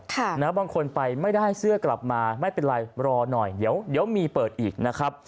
บางคนไปไม่ได้เซื้อกลับมาไม่เป็นไรรอหน่อยเดี๋ยวมีเปิดอีก